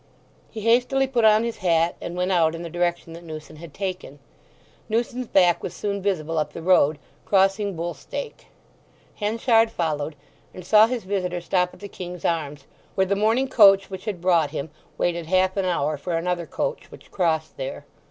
He hastily put on his hat, and went out in the direction that Newson had taken. Newson's back was soon visible up the road, crossing Bull stake. Henchard followed, and saw his visitor stop at the King's Arms, where the morning coach which had brought him waited half an hour for another coach which crossed there.